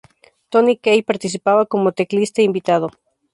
Tony Kaye participaba como teclista invitado.